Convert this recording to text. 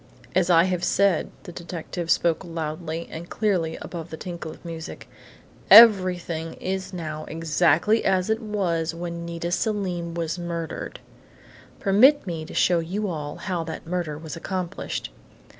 "As I have said," the detective spoke loudly and clearly above the tinkle of music, "everything is now exactly as it was when Nita Selim was murdered! Permit me to show you all how that murder was accomplished!"